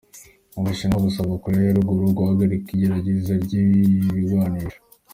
Ubushinwa busaba Korea ya ruguru guhagarika igerageza ry'ibigwanisho.